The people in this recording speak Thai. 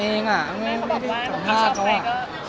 ชอบสายแล้วก็ชอบนิวไหม